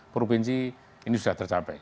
provinsi ini sudah tercapai